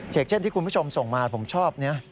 เฉกเช่นที่คุณผู้ชมส่งมาผมชอบเนี่ย